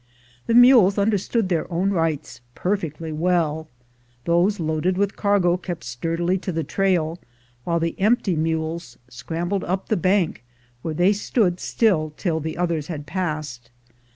The mules understood their own rights perfectly well. Those loaded with cargo kept sturdily to the trail, while the empty mules scrambled up the bank, where they stood still till the others had passed.